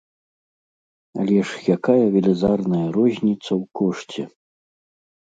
Але ж якая велізарная розніца ў кошце!